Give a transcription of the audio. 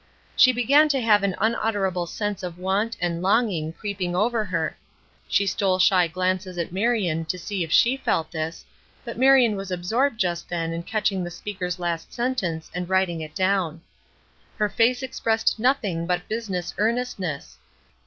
She began to have an unutterable sense of want and longing creeping over her; she stole shy glances at Marion to see if she felt this, but Marion was absorbed just then in catching the speaker's last sentence and writing it down. Her face expressed nothing but business earnestness.